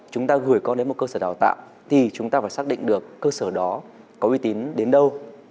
chúng ta gửi con đến một cơ sở đào tạo thì chúng ta phải xác định được cơ sở đó có uy tín đến đâu